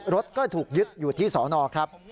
รถก็ถูกยึดอยู่ที่สอนอครับ